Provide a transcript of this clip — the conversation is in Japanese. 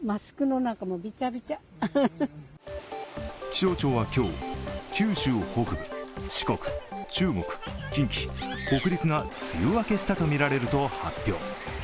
気象庁は今日、九州北部、四国、中国、近畿、北陸が梅雨明けしたとみられると発表。